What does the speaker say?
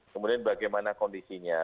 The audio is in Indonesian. kemudian bagaimana kondisinya